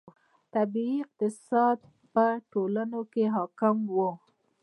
طبیعي اقتصاد په دې ټولنو کې حاکم و.